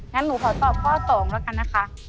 งั้นหนูขอตอบข้อ๒แล้วกันนะคะ